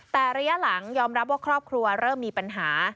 แต่ระยะหลังยอมรับว่าครอบครัวเริ่มมีปัญหา